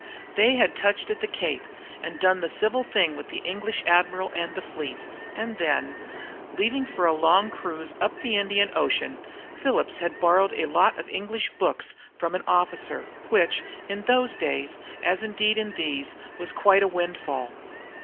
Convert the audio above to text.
They had touched at the Cape, and had done the civil thing with the English Admiral and the fleet, and then, leaving for a long cruise up the Indian Ocean, Phillips had borrowed a lot of English books from an officer, which, in those days, as indeed in these, was quite a windfall.